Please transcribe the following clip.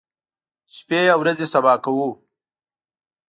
شپې او ورځې سبا کوو.